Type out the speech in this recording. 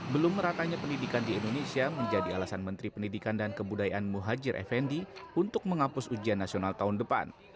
belum meratanya pendidikan di indonesia menjadi alasan menteri pendidikan dan kebudayaan muhajir effendi untuk menghapus ujian nasional tahun depan